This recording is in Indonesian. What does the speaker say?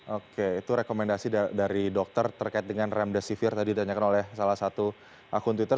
oke itu rekomendasi dari dokter terkait dengan remdesivir tadi ditanyakan oleh salah satu akun twitter